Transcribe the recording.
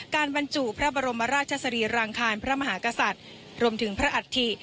บรรจุพระบรมราชสรีรางคารพระมหากษัตริย์รวมถึงพระอัฐิ